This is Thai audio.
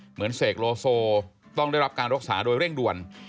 เสกโลโซต้องได้รับการรักษาโดยเร่งด่วน